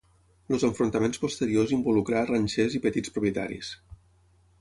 Els enfrontaments posteriors involucrar a ranxers i petits propietaris.